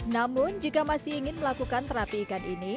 namun jika masih ingin melakukan terapi ikan ini